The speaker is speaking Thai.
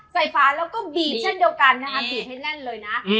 ไฟฟ้าแล้วก็บีบเช่นเดียวกันนะคะบีบให้แน่นเลยนะ